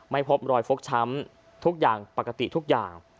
ไม่พบรอยฟกช้ำปกติทุกอย่าง